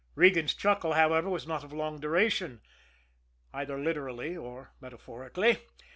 Regan's chuckle, however, was not of long duration, either literally or metaphorically.